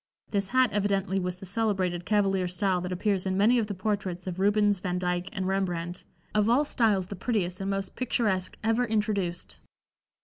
This hat evidently was the celebrated cavalier style that appears in many of the portraits of Rubens, Vandycke and Rembrandt, of all styles the prettiest and most picturesque ever introduced.